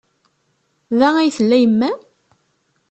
Da ay tella yemma-m?